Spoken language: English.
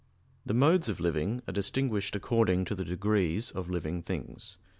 The modes of living are distinguished according to the degrees of living things.